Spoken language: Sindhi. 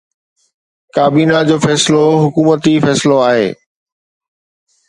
ڪابينا جو فيصلو حڪومتي فيصلو آهي.